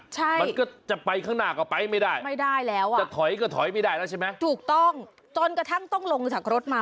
จะถอยก็ถอยไม่ได้แล้วใช่ไหมถูกต้องจนกระทั่งต้องลงจากรถมา